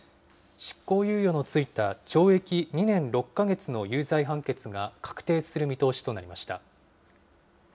執行猶予のついた懲役２年６か月の有罪判決が確定する見通しとなりました。